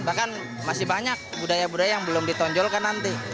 bahkan masih banyak budaya budaya yang belum ditonjolkan nanti